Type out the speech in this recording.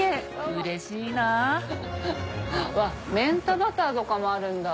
うれしいなぁわっ明太バターとかもあるんだ。